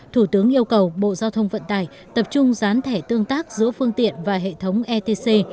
thủ tướng yêu cầu bộ giao thông vận tải tập trung gián thẻ tương tác giữa phương tiện và hệ thống etc